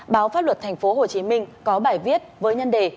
báo pháp luật tp hcm có bài viết với nhân đề